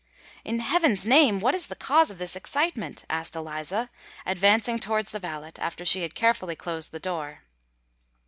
"In heaven's name, what is the cause of this excitement?" asked Eliza, advancing towards the valet, after she had carefully closed the door.